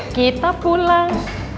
yuk kita pulang